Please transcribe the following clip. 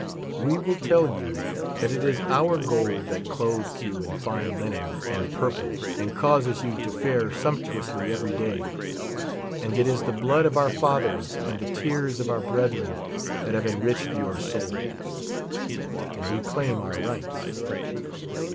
We will tell 3'ou that it is our gold that clothes you in fine linen and purple, and causes you to fare sumptuously every day ; and it is the blood of our fathers and the tears of our brethren that have enriched your soils. And ice claim our rights.